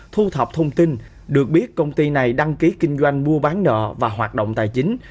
thu thập thông tin được biết công ty này đăng ký kinh doanh mua bán nợ và hoạt động tài chính